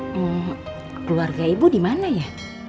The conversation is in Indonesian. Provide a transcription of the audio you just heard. keluarga ibu dimana ya